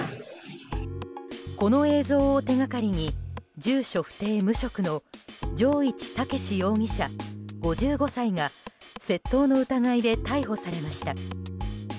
この映像を手掛かりに住所不定・無職の城市武志容疑者、５５歳が窃盗の疑いで逮捕されました。